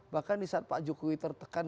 bahkan di saat pak jokowi tertekan